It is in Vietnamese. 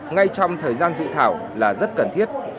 ngay trong thời gian dự thảo là rất cần thiết